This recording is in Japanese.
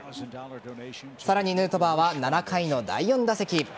さらにヌートバーは７回の第４打席。